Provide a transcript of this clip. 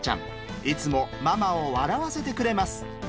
いつもママを笑わせてくれます。